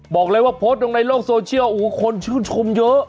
บอกเลยว่าโพสต์ลงในโลกโซเชียลโอ้โหคนชื่นชมเยอะ